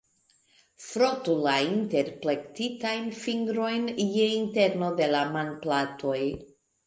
Frotu la interplektitajn fingrojn je interno de la manplatoj.